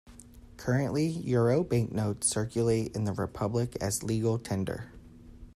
Currently euro banknotes circulate in the Republic as legal tender.